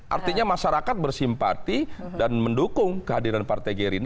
artinya masyarakat bersimpati dan mendukung kehadiran partai gerindra